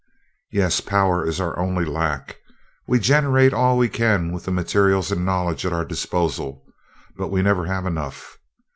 "Yes. Power is our only lack. We generate all we can with the materials and knowledge at our disposal, but we never have enough.